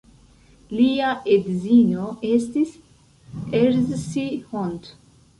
Lia edzino estis Erzsi Hont.